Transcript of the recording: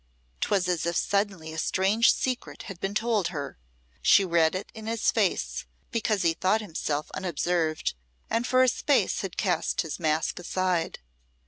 'Twas as if suddenly a strange secret had been told her. She read it in his face, because he thought himself unobserved, and for a space had cast his mask aside.